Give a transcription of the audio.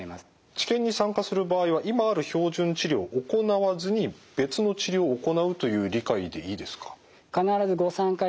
治験に参加する場合は今ある標準治療を行わずに別の治療を行うという理解でいいですか？